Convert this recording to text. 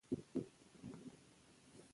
روباټونه په پخلنځي کې کار کوي.